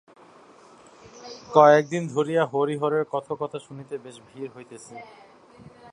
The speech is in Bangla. কয়েকদিন ধরিয়া হরিহরের কথকতা শুনিতে বেশ ভিড় হইতেছে।